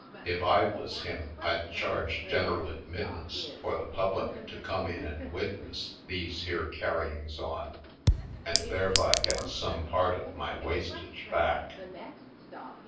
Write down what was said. If I was him I'd charge general admittance for the public to come in and witness these here carryings on, and thereby get some part of my wastage back.